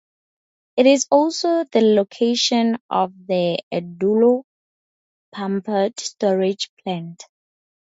It is also the location of the Edolo Pumped Storage Plant.